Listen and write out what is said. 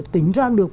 tính ra được